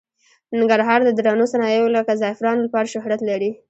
ننګرهار د درنو صنایعو لکه زعفرانو لپاره شهرت لري.